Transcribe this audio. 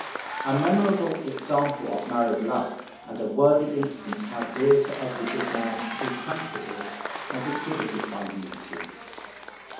A memorable example of married love, and a worthy instance how dear to every good man his country is, was exhibited by Ulysses.